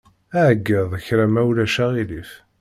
Ɛeyyeḍ kra ma ulac aɣilif.